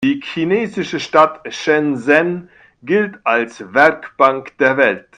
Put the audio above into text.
Die chinesische Stadt Shenzhen gilt als „Werkbank der Welt“.